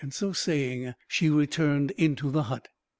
So saying, she returned into the hut.